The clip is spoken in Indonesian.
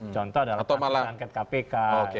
contoh adalah pasukan angkat kpk